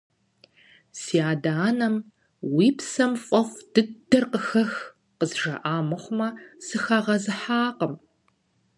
Си адэ-анэм «уи псэм фӀэфӀ дыдэр къыхэх» къызжаӀа мыхъумэ, сыхагъэзыхьакъым.